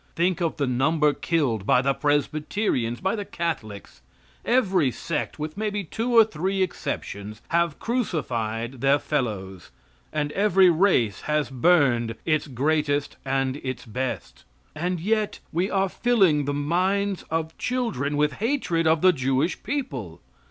Think of the number killed by the Presbyterians; by the Catholics. Every sect, with maybe two or three exceptions, have crucified their fellows, and every race has burned its greatest and its best. And yet we are filling the minds of children with hatred of the Jewish people.